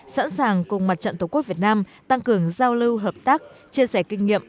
sẵn sàng cùng mặt trận tổ quốc việt nam tăng cường giao lưu hợp tác chia sẻ kinh nghiệm